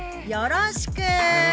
よろしく。